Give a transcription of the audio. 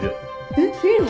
えっいいの？